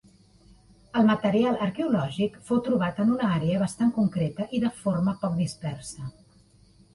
El material arqueològic fou trobat en una àrea bastant concreta i de forma poc dispersa.